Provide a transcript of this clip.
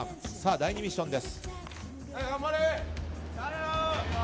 第２ミッションです。